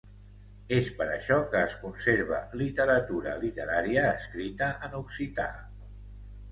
És per això que es conserva literatura literària escrita en occità.